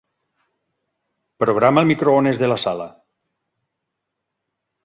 Programa el microones de la sala.